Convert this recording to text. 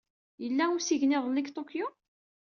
Yella usigna iḍelli deg Tokyo?